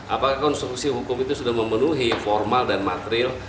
apakah konstruksi hukum itu sudah memenuhi formal dan material